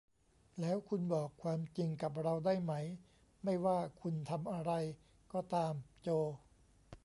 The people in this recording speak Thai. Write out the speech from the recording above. แล้วคุณบอกความจริงกับเราได้ไหม ไม่ว่าคุณทำอะไรก็ตาม โจ